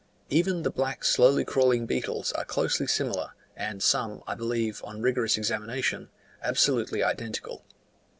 Even the black slowly crawling beetles are closely similar, and some, I believe, on rigorous examination, absolutely identical.